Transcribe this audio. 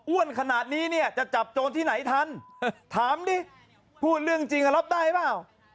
ขนาดนี้เนี่ยจะจับโจรที่ไหนทันถามดิพูดเรื่องจริงรับได้หรือเปล่า